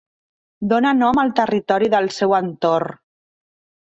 Dóna nom al territori del seu entorn.